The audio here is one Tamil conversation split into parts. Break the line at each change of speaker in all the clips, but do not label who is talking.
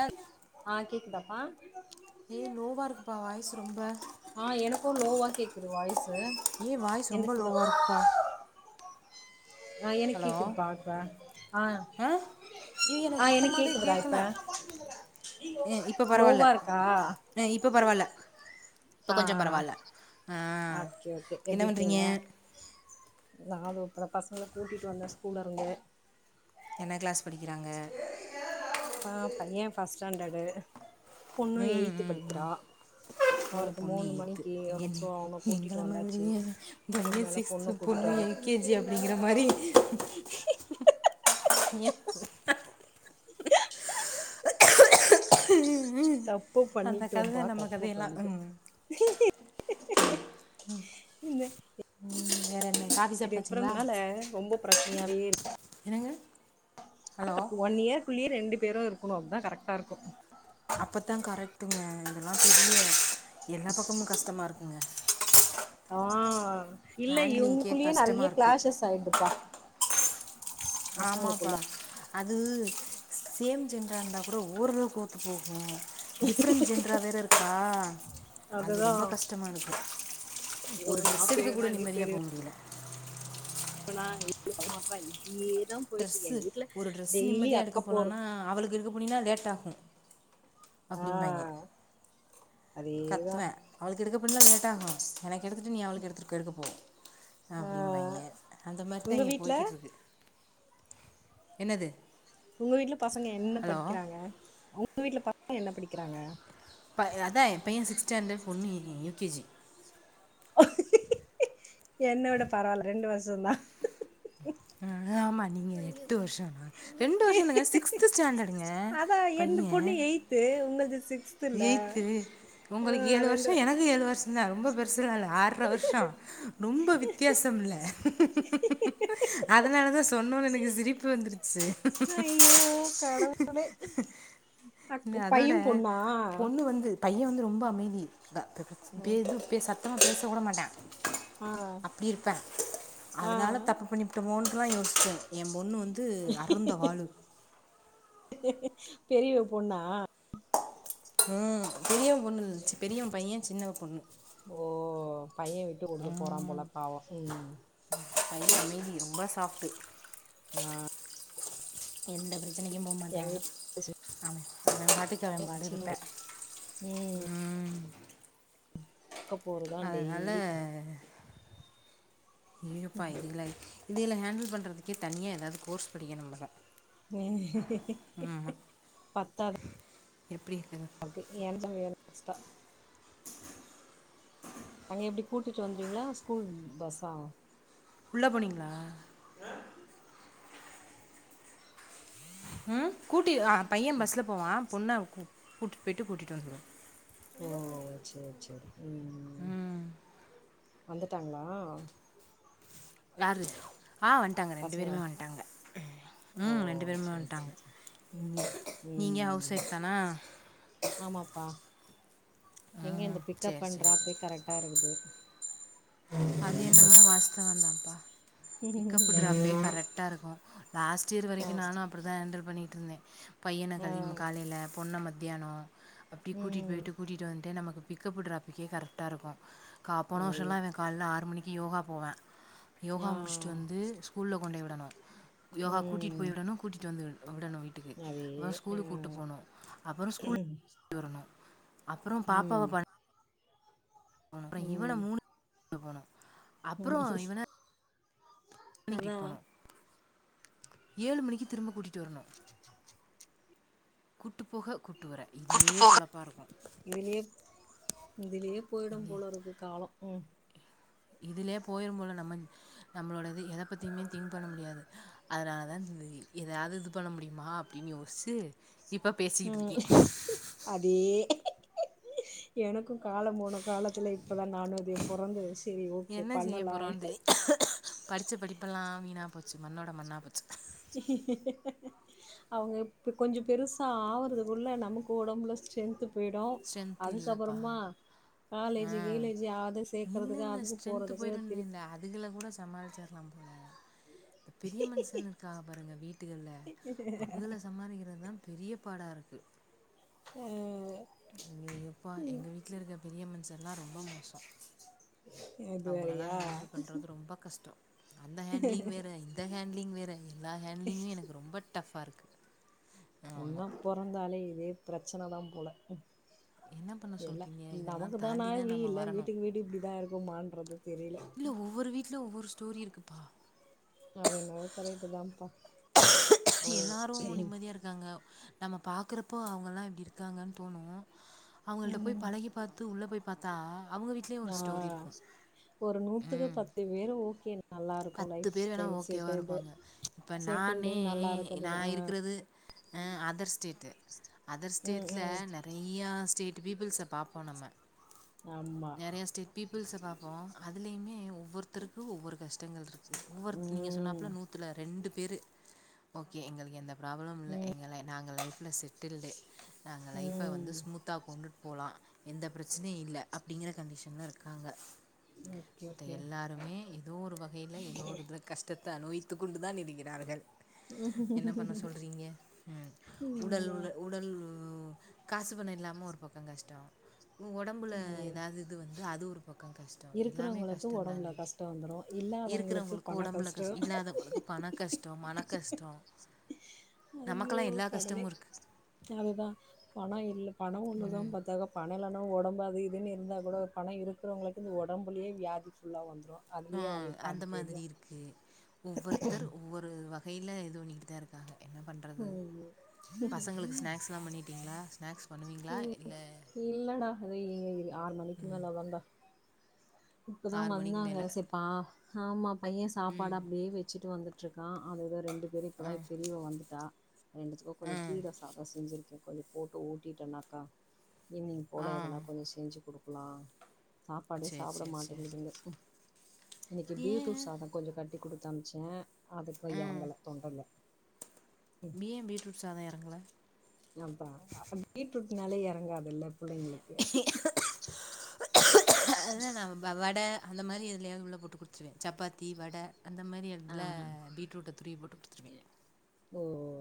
ஆ
[unintelligible]
ஏ லோவா இருக்குபா வாய்ஸ் ரொம்ப
ஆ எனக்கு லோவா கேக்குது வாய்ஸு
ஏ வாய்ஸ் ரொம்ப
எனக்கு லோ
லோவா இருக்குபா
ஆ எனக்கு கேக்குதுப்பா இப்ப ஆ
ஐயோ
ஆ எனக்கு
சுத்தமாவே
கேக்குதுறா இப்ப
கேட்கல இப்போ பரவாயில்ல
லோவா இருக்கா
இப்ப
ஆ
கொஞ்சோ பரவால
ஆ
ஆ
ஓகே ஓகே
என்ன
எப்டி
பண்றீங்க
இருக்கீங்க நா உங்க பசங்கள கூட்டிட்டு வந்த ஸ்கூல இருந்தே
என்ன கிளாஸ் படிக்கிறாங்க
பா பைய ஃபர்ஸ்ட் ஸ்டாண்டர்ட்டு
உம் உ உ ஓ
அவருக்கு
பொண்ணு
மூணு
எயித்து
மணிக்கு
என்னே
ஸோ அவன
எங்கள
கூட்டிட்டு வந்தாச்சு
மாதிரியே
இதுக்கு
பையன்
மேல பொண்ண
சிக்ஸ்து
கூட்டிட்டு
பொண்ணு
வரணு
எல் கே ஜி அப்டிங்கிற மாரி இயா
தப்பு
அந்த கதை
பண்ணிட்டோம்பா
நம்ம
தப்பு
கதையெல்லாம்
பண்ணிட்டோ
ம்
இக் இக் இந்த
வேற என்ன காஃபி சாப்பிட்டாச்சுங்களா
டிஃப்ரென்னால ரொம்ப பிரச்சனையாவே இருக்கு
என்னங்க ஹலோ
அதா ஒன் இயர் குள்ள ரெண்டு பேரோ இருக்கணு அப்பதா கரெக்டா இருக்கோ
அப்பத்தா கரெக்டுங்க [inaudible] எல்லா பக்கமும் கஷ்டமா இருக்கோ இங்க
ஆ இல்ல இவுங்க
ஹேண்ட்லிங்க்கே
குள்ளயே நெறைய
கஷ்டமாக இருக்குது
கிளாசஸ் ஆயிடுப்பா
ஆமாப்பா து சேம் சென்றாக கூட ஓரளவுக்கு ஒத்து போகு டிஃபர்ரெண் ஜென்ரா வேற ஆ
அதுதா ஐயோ
ஒரு
நா
டிரஸ் எடுக்க கூட
பெரியவனா
நிம்மதியா போக முடியல்ல
பனா எ [inaudible] இக்கீ
டிரெஸ் ஒரு டிரெஸ் நிம்மதிய
அக்க
எடுக்கப்
போறது
போலானா அவளுக்கு எடுக்க போனினா லேட் ஆகு
ஆ
அப்டிம்பாங்க
அதேதா
கத்துவே அவளுக்கு எடுக்கப்போனேனா லேட்டாகு எனக்கு எடுத்துட்டு நீ அவளுக்கு எடுத்துக் எடுக்க போ
ஆ
அப்டிம்பாங்க அந்த மாரிதா
உங்க
இங்க
வீட்ல
போய்கிட்ருக்கு என்னது
உங்க வீட்லப் பசங்க என்ன
ஹலோ
படிக்கிறாங்க அவுங் உங்க வீட்டுல ப [inaudible] என்ன படிக்கிறாங்க
ப அதா எ பைய சிக்ஸ் ஸ்டாண்டட் பொண்ணு யு கே ஜி
என்னோட பரவாயில்ல ரெண்டு வருஷொ தா
அஹ் ஆமா நீங்க எட்டு வருஷொ நா ரெண்டு வருஷ தங்க சிக்ஸ்த் ஸ்டாண்டட்டுங்க
அதா என்து
பைய
பொண்ணு எய்த்து உங்கள்து சிக்ஸ்துல
ஏய்த்து
ஆ
உங்களுக் ஏழு
ரெண்டு
வருஷ எனக்கு ஏழு வருஷன்தா ரொம்ப பெரு லால ஆற்ர வருஷொ ரொம்ப வித்தியாசம்ல அதனால தா சொன்னோன எனக்கு சிரிப்பு வந்துரு ச
ஐயோ கடவு அக்
நா
பைய
அதோட
பொண்ணா
பொண்ணு வந்து பைய வந்து ரொம்ப அமைதி க க க பே து பே சத்தமாபேச் தோடமாட்டா
ஆ
அப்டி இருப்ப
ஆ
அதனால தப்பு பண்ணி புட்டோமோன்டு தா யோசிச்கோ எ பொண்ணு வந்து அருந்த வாழு
பெரியவ பொண்ணா
உஹ்ம் பெரியவ பொண்ணுல சி பெரியவ பைய சின்னவ பொண்ணு
ஓ பைய விட்டு குடுத்து போறா
ம்
போல பாவோ உம்
பையன் அமைதி ரொம்ப சாஃப்ட்டு
ஆஹ்
எந்தாது சண்டைக்கே போ மாட்டா
எங்க வீட் சின்ன
அவ அவ பாட்டுக்கு அவனக்ஷ பாடு
சின்ன
இருப்பா
ம்
ம்
அக்க போருதா
அதனால
டெய்லி
இழுபா இல்லன் இதுங்குல ஹேண்டல் பண்ணுறதுக்கே தனியா ஏதாது கோர்ஸ் படிக்கனு போல ஆமாம்
பத்தாத
எப்படி இருக்குது
ஓக்கே [inaudible] அங்க எப்டி கூட்டிட்டு வந்துருவீங்களா ஸ்கூல் பஸ்ஸா
உள்ள போனீங்களா உஹம் கூட் ஸ்கூட்டி ஆ பையன் பஸ்ல போவா பொண்ண கூ கூட்டு போயிட்டு கூட்டிட்டு வந்துடுவே
ஓ செரி செரி உம் வந்துட்டாங்களா
யாரு
பசங்க ஓ
ம் ரெண்டு பேருமே
சேர்
வந்துட்டாங்க
சேர் சேரி
நீங்கள் ஹவுஸ்
உம்
ஒய்ஃப் தானா
ஆமாப்பா எங்க
ம்
இந்த
சரி
பிக்கப் அன்
சரி சரி
ட்ராப்பே கரெக்டா இருக்குது
அது என்னம்மோ வாஸ்தவந்தாப்பா பிக்கப் ட்ரப்பே கரெக்டா இருக்கும் லாஸ்ட்டு இயர்
ஆ
வரைக்கும் நானும் அப்படி தான் ஹேண்டில் பண்ணி தின்னே
ஆ
பையனகளிம் காலையில பொண்ணமத் தியானோ அப்படி
ம்
கூட்டிட்டு போயிட்டு கூட்டிட்டு வந்துட்டு நமக்கு பிக்கப்பு டறாப்புக்கே கரெக்ட்டா இருக்கும் காப் போன
அதே
வர்ஷோலாம் எனக் [unintelligible] மணிக்கு யோகா போவேன் யோகா
ஆ
முடிச்சுட்டு வந்து ஸ்கூல்ல கொண்டொய் விடணும் யோகா கூட்டிட்டு
ம்
போய் விடணும் கூட்டிட்டு வந்து வி விடணும் வீட்டுக்கு
அதே
அப்பறம்
ஆ
ஸ்கூலு கூட்டு போனும் அப்பறம் ஸ்கூல் வரணும் அப்புறம் பாப்பாவ
ம்
ப அப்பறம் இவன மூணு டுபோனம்
உஹ் சிஸ்
[unintelligible] போனோம் ஏழு மணிக்கு திரும்ப கூட்டிட்டு வருணு கூட்டு போக கூ
[unintelligible] இதுலயே இதுலயே போய்டு
இது
போல இருக்கு காலோ உம்
இதுலயே போய்ரு போல நம்ம நம்மளோடது எத பத்தியுமே திங்க் பண்ண முடியாது அதனாலதா [unintelligible] எதயாது இது பண்ண முடியுமா அப்டின்னு யோஸ்ச்சு இப்ப பேசிக்கிட் இருக்கே
எனக்கொ காலோ போன காலத்துல இப்பதா நானூதிய பொறந்த செரி ஓகே பண்ணலா அப்டின்
படித்த படிப்பெல்லாம் வீணாக போச்சு மண்ணோட மண்ணா போச்சு
அவங்க இப்ப கொஞ்சம் பெருசா ஆவறதுக்குள்ள நமக்கு உடம்புல ஸ்ட்ரென்த் போய்டு
ஸ்ட்ரென்த்
அதுக்கப்புறமா
இல்லப்பா ஆ
காலேஜி கீலேஜி அதது சேக்கறதுக்கு
என்னென்ன
அதுக்கு
ஸ்ட்ரென்த்து
போகதுக்கு திருப்பி
நம்ப இப்ப பெரிய மனுஷன் இருக்காக பாருங்க வீட்டுகள்ல அவகள சமாதிக்கிறதுதா பெரிய பாடா இருக்கு
ஆ
எங்கப்பா எங்க வீட்ல இருக்க பெரிய மனுஷர்லாம் ரொம்ப மோசம்
இது
அவங்களல்லா
வேறயா
ஹேண்டில் பண்றது ரொம்ப கஷ்டம் அந்த ஹேண்ட்லிங் வேறு இந்த ஹேண்ட்லிங் வேறு எல்லா ஹேண்ட்லிங்கும் எனக்கு ரொம்ப டஃப்பா இருக்கு ஆமா
பொண்ணா பொறந்தாலே இதே பிரச்சனைதா போல
என்ன பண்ண
எல்லா
சொல்றீங்க இதெல்லா
நமக்கு தானா
தாண்டி தா
இப்டி
நம்ம
இல்ல
வரணு
வீட்டுக்கு வீட்டு இப்டிதா இருக் குமான்றது
இல்ல ஒவ்வொரு வீட்ல ஒவ்வொரு ஒரு ஸ்டோரி இருக்குப்பா
அவ என்னாவ கரட்டுதான்ப்பா
எல்லாரு நிம்மதியா இருக்காங்க நம்ம பாக்குறப்போ அவங்கலாம் எப்டி இருக்காங்கன்னு தோனும் அவங்கள்ட்ட போய்
ம்
பழகி பாத்து உள்ள போய் பத்தா
ஆ ஒரு நூத்துக்கு பத்து பேரு ஓகே நல்லா இருக்கு
பத்து
லைஃப்
பேர் வேணா
ஸ்டைல்
ஓகேவா
செட்டில்டு
இருப்பாங்க இப்ப
செட்டில்டு
நானே
நல்லா இருக்குது
நா
ஆ
இருக்கிறது ஆ அதர் ஸ்டேட் அதர்
ம்
ஸ்டேட்ல
ம்
நெறைய ஸ்டேட் பிப்புள் பாபோம் நம்ம
ஆமா
நெறைய பிப்புள் பாபோம் அதுலயுமே ஒவ்வொருக்கு ஒவ்வொரு கஷ்ட் டங்கள் இருக்கு ஒவ்வொரு நீங்க
ம்
சொன்னாப்பல நூத்து ரெண்டு பேரு ஓகே எங்களுக்கு எந்த ப்ராப்ளம் இல்ல எங்கள நாங்க லைப் செட்டில்டு நாங்க லைஃப
ம்
வந்து ஸ்மூத்தா கொண்டு போலா எந்த பிரச்சனையு இல்ல அப்டிங்கற கண்டிஷன்லா இருக்காங்க
ஓகே
இப்ப
ஓகே
எல்லாருமே ஏதோ ஒரு வ கைல ஏதோ ஒரு இதுல கஷ்டத்த அனுவைத்து கொண்டு தான் இருக்கிறார்கள் என்ன பண்ண சொல்றீங்க ம்
ம்
உடல் உ
தா
உடல் காசு பணோ இல்லாம ஒரு பக்கோ கஷ்டோ உ ஒடம்புல
அது
எதாது இது வந்து அது ஒரு பக்கோ கஷ்டோ எல்லாமே
இருக்கிறவங்களுக்கு ஒடம்புல
கஷ்டந்தானே
கஷ்டோ வந்துரு இல்லாதவங்களுக்கு
இருக்கறவங்களுக்கு
பண
ஒடம்புல
கஷ்டோ
கஷ் இல்லாதவங்களுக்கு பண கஷ்டோ மன கஷ் டோ
அய்யோ கடவுளே அதுதா பணோ இல்ல பணோ ஒன்னு தா பாத்தாக பணோ இல்லனா ஒடம்பாது இதுன் இருந்தா கூட பணோ இருக்கறவங்களுக்கு இந்த ஒடம்புலயே வியாதி ஃபுல்லா வந்துரு அதுலயே
ஆஹ்
அவங்களுக்கு பாதி
அந்த
போயிடு
மாதிரி இருக்கு ஒவ்வொருத்தர் ஒவ்வொரு வகைல தோணிட்டுத்தா இருக்காக என்ன பண்றது
ம்
பசங்களுக்கு ஸ்நாக்ஸ்லா பண்ணீட்டிங்களா ஸ்நாக்ஸ் பண்ணுவீங்களா
உம்
இல்ல
இல்லடா அது ஈவ்னிங் ஆறு மணிக் மேல தான்டா இப்ப தா
ஆறு மணிக்கு
வந்தாங்க
மேல
சேர் பா ஆமா பைய சாப்பாடு
ம்
அப்டியே வெச்சிட்டு வந்து கா அது எதோ ரெண்டு பேரு இப்ப தா பெரியவ வந்துட்டா ரெண்டுத்துக்கு கொஞ்ச
ஆ
கீர சாதோ செஞ்சிருக்கே கொஞ்ச போட்டு ஊட்டிட்டனாக்கா ஈவ்னிங்
ஆ
போல எதனா கொஞ்சோ செஞ்சு குடுக்கலா சாப்
சேரி
சாப்பட
சேரி சேரி
மாட்டிங்கிதுங்க இன்னிக்கு பீட்ரூட்
ஏன்
சாதோ கொஞ்சோ கட்டி குடு த்தமிச்சே அதுக்கு எறங்கல தொண்டைல
பி ஏ பீட்ரூட் சாதோ எறங்கல
அதா பீட்ரூட்னாலே எறங்காதில்ல புள்ளைங்ளுக்கு
அதா [unintelligible] வட அந்த மாரி எதுலயாவ்து உள்ள போட்டு குடுத்துருவே. சப்பாத்தி, வட அந்த மாரி
ஆ
எத்துல பீட்ரூட்ட துருவி போட்டு குடுத்துருவே
ஓ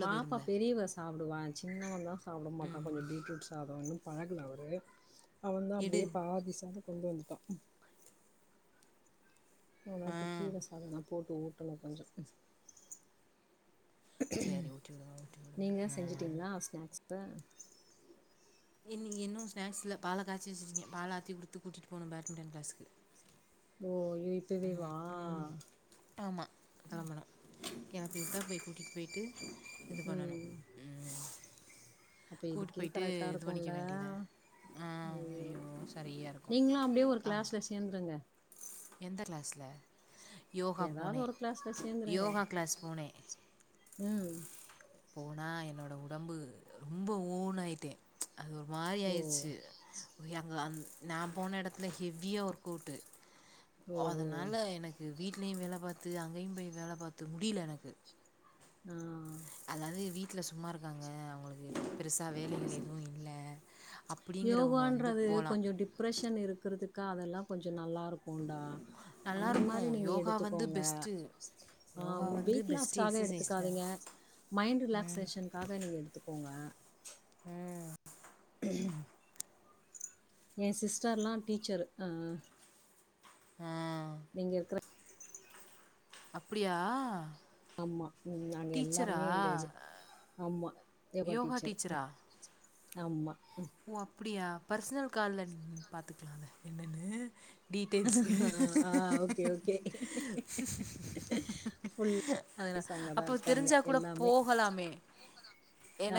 பாப்பா பெரியவ சாப்டுவா சின்ன வங்க உட மாட்டங்க பீட்ரூட் சாப் ஒன்னு பழகல அவரு அவன் தா
எடு
அப்டியே பாதி ச கொண்டு வந்துட்டா
ஆ
உனக்கு கீர சாதம் நா போட்டு ஊட் மா கொஞ்சோ
சேரி ஊட்டி விடுங்க ஊட்டி விடுங்க
நீங்க
ஆ
செஞ்சுட்டீங்களா ஸ்நாக்ஸ் ஆ
என் நீங்க இன்னு ஸ்நாக்ஸ்ல பால காய்ச்சு வெச்சுருக்கீங்க பால ஆத்தி குடுத்து கூட்டிட்டு போகனு பேட்மிண்டன் கிளாசுக்கு
ஓ இது இப்பவேவா
ஆமாம் கிளம்பணும் கிளப்பி விட்டா போய் கூட்டிகிட்டு போயிட்டு இது பண்ணணு உம்
அப்போ இதுக்கே கரெக்டா இருக்குல்ல
வேண்டியதா ஆ
அ
ஐயோ சரியாக இருக்கும்
நீங்களும் அப்டியே ஒரு
கா
கிளாஸ்ல சேந்துருங்க
எந்த கிளாஸ்ல
ஏதாவது ஒரு கிளாஸ்ல சேந்துருங்க
கிளாஸ் போனேன்
உம்
போனா என்னோட உடம்பு ரொம்ப ஓன்னு ஆயிட்டே அது ஒரு மாரி
ஓ
ஆயிருச்சு ஓ அங்கே அந் நா போன எடத்துல ஹெவியா ஒர்க் அவுட்டு
ஓ ஓ
அதனால எனக்கு வீட்லயு வேல பாத்து அங்கேயும் போய் வேல பாத்து முடில எனக்கு
ஆஹ்
அதாவது வீட்ல சும்மா இருக்காங்க அவங்களுக்கு பெருசா வேலைகள் எதுவு இல்ல
யோகான்றது கொஞ்சோ டிப்ரஷன் இருக்குறது க்கா அதெல்லாம் கொஞ்சோ கொஞ்சோ நல்லா இருக்கும்டா அந்த மாரி
நல்லாயிருக்கும்
நீங்க
யோகா வந்து
எடுத்துக்கோங்க
பெஸ்ட்டு யோகா வந்து
வெயிட்
பெஸ்ட்டு
லாஸ்க்காக
எக்ஸசைஸ் தான்
எடுத்துக்காதீங்க மைண்ட் ரிலாக்சேஷனுக்காக நீங்க எடுத்துக்கோங்க
உம்
ஏ சிஸ்டர்ல்லா டீச்சரு ஆஹ
ஏ
நீங்க இருக்குற
அப்பிடியா
ஆமா உம் நாங்க எல்லாருமே அந்த இது ஆமா யோகா டீச்சர் ஆமா
ஓ அப்பிடியா பர்சனல் கால்ல பாத்துக்கலா என்னன்னு டீட்டெல்ஸ்
ஆ ஓகே ஓகே
அதன
அங்கதா
அப்போ
இருக்காங்க
தெரிஞ்சா கூட
எல்லாமே
போகலாமே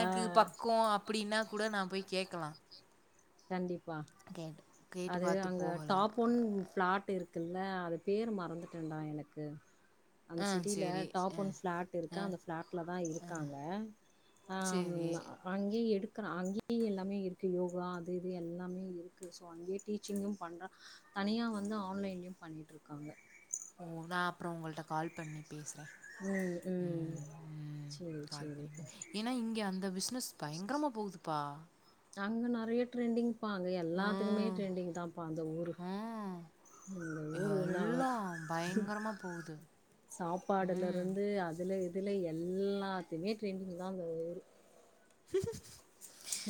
ஆ
பக்கோ அப்பிடின்னா கூட நா போய் கேக்கலா
கண்டிப் பா அது
பார்த்து
அங்க
போகலாம்
டாப் ஒன் ஃபிளாட் இருக்கு க்குல்ல அது பேரு மறந்துட்டண்டா எனக்கு அந்த
ஆ
சிட்டியில
சரி
டாப்
ஆ
ஒன் ஃபிளாட் இருக்கா
ஆ
அந்த ஃபிளாட்ல தா இருக்காங்க
சரி
ஆம்ம அங்கேயே எடு க்கர அங்கேயி எல்லாமே இருக்கு யோகா அது இது எல்லாமே இருக்கு ஸோ அங்கேயே டீச்சிங்கு பண்றா தனியா வந்து ஆன்லைன்லயு பண்ணிட்டு இருக்காங்க
ஓ நா அப்புறோ உங்கள்ட்ட கால் பண்ணி பேசறே
ம் ம்
உம் உம்
சேரி
கால்
சேரி
பண்ணி பே ஏன்னா இங்க அந்த பிசினஸ் பயங்கரமா போகுதுப்பா
அங்க நறைய ட்ரெண்டிங் பா அங்க எல்லாத்துக்குமே
ம்
ட்ரெண்டிங் தாப்பா அந்த ஊரு
ம்
அந்த ஊருனா
எல்லாம் பயங்கரமாக போகுது
சாப்பாடுல
ம்
இருந்து அதுல அதுல எல்லாத்தையுமே ட்ரெண்டிங் தா அந்த ஊரு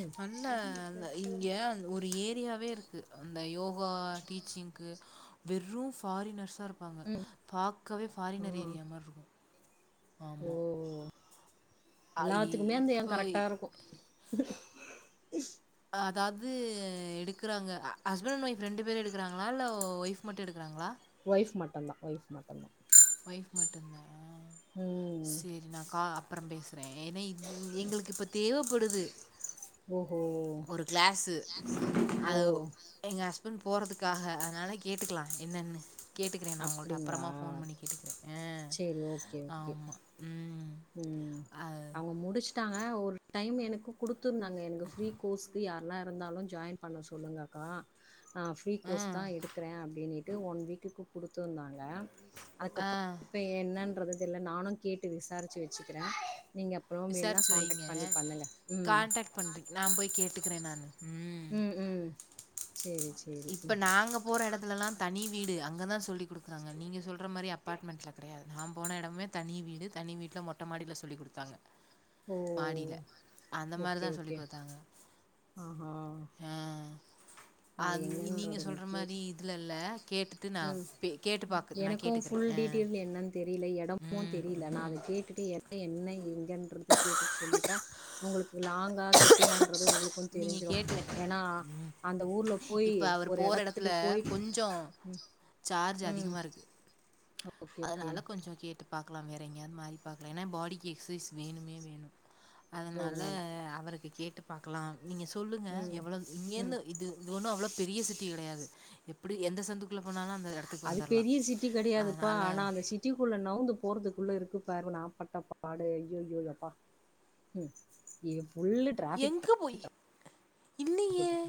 ம்
நல்ல அந்த இங்க ஒரு ஏரியாவே இருக்கு அந்த யோகா ஓ டீச்சிங்கு வெறு ஃபாரினர்ஸ் இருப்பாங்க பாக்கவே
ஆ
ஃபாரினரி ஏரியா மாறி இருக்கு
ஓ
ஆமா
எல்லாத்துக்குமே அந்த ஏ கரெக்டா இருக்கு ஸ்
அதாவது எடுக்குறாங்க ஹஸ்பண்ட் அண்ட் ஒய்ஃப் ரெண்டு பேரு எடுக்குறாங்களா இல்ல ஒய்ஃப் மட்டு எடுக்குறாங்களா
ஒய்ஃப் மட்டுந்தா ஒய்ஃப் மட்டுந்தா
வைஃப் மட்டுந்தா ஆ
ம்
செரி நா கா அப்புறம் பேசறே ஏன்னா இது எங்களுக்கு இப்ப தேவைப்படுது
ஓஹோ
ஒரு கிளாஸு
ஓ
அது எங்க இப்பனு போறதுக்காக அதனால கேட்டுக்கலா என்னன்னு கேட்டக்கறே நா உங்கள்ட்ட
அப்டிங்களா
அப்பறமா ஃபோன் பண்ணி கேட்டுக்கிறே
சேரி ஓகே
ஆ
ஓகே
ஆமா உம் ஆ
ட்டாங்க ஒரு டைம் எனக்கு குடுத்துருந்தாங்க எனக்கு ஃப்ரீ கோர்ஸ்க்கு யாரெல்லா இருந்தாலு ஜாயின் பண்ண சொல்லுங்கக்கா ஆ ஃப்ரீ கோர்ஸ்தா
ம்.
எடுக்கறே அப்படின்னுட்டு ஒன் வீக்குக்கு துருந்தாங்க அதுக்கப்புறோ
ஆ.
இப்ப என்னன்றது தெரியில நானு கேட்டு விசாரிச்சு வெச்சுக்கிறே
விசாரிச்சு வைங்க
ம்
கான்டக்ட் பண்றீங்க நா போய் கேட்டுக்கிறே நானு ம்
உம் உம்
இப்ப நாங்க போற எடத்துலலா தனி வீடு அங்க தா சொல்லி கொடுக்குறாங்க நீங்க சொல்ற மாரி அப்பார்ட்மெண்ட்ல கெடையாது நா போன எடமே தனி வீடு தனி வீட்டில மொட்ட மாடியில சொல்லி கொடுத்தாங்க
ஓ
மாடியில அந்த
ஓகே
மாரிதா
ஓகே
சொல்லிக் கொடுத்தாங்க
ஆஹா
ஆஹ்
நா அது எங்கனு அது முக்கிய
மாரி இதுல இல்ல கேட்டுட்டு நான்
உம்
பே கேட்டு பாக்கு நான்
எனக்கும்
கேட்டுக்கிறேன்
ஃபுல்
ஆ
டீட்டெயில் என்னன்னு தெரியல எடமு
ம்
தெரியல நா அத கேட்டுட்டு எ என்ன எங்கன்றத கேட்டுட்டு சொல்லிட்டா உங்களுக் லாங்கா கிட்டியானு உங்களுக்கு தெரிஞ்சிடு ஏன்னா அந்
இப்போ அவர் போற எடத்துல கொஞ்சோ
ம்
சார்ஜ்
ம்
அதிகமா இருக்கு
ஓகே ஓகே
அதனால கொஞ்சோ கேட்டு பாக்கலா வேற எங்கயாது மாரி பாக்கலா ஏன்னா பாடிக்கு எக்சைஸ் வேணுமே வேணும்
ஓ
அதனால
ஓ
அவருக்கு கேட்டு கலா நீங்க சொல்லுங்க
ம்
எவ்வளவு இங்கன்னு
ம்
இது இது ஒண்ணு அவ்ளவு பெரிய சி டி கிடையாது எப்படி எந்த சந்துக்குள்ள போனாலு அந்த எடத்துக்கு
அது
வந்துர்லா
பெரிய சிட்டி கிடையாதுப்பா
அதனால
ஆனா அந்த சிட்டிக்குள்ள நவுந்து போறதுக்குள்ள இருக் க்கு பாரு நா பட்ட பாடு ஐயையோ எப்பா ம் ஃபுல்லு டிராஃபிக்
எங்க போயி இல்லையே
டிராஃபிக்